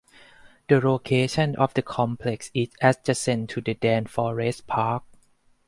The location of the complex is adjacent to the Daan Forest Park.